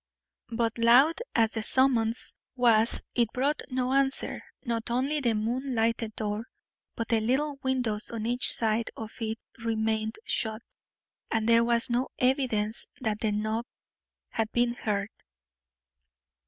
But loud as the summons was it brought no answer. Not only the moon lighted door, but the little windows on each side of it remained shut, and there was no evidence that the knock had been heard.